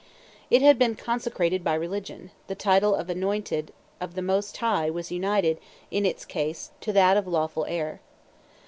It had been consecrated by religion; the title of anointed of the Most High was united, in its case, to that of lawful heir.